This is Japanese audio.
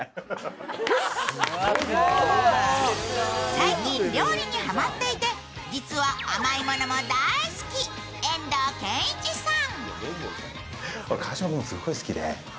最近料理にはまっていて実は甘いものも大好き、遠藤憲一さん。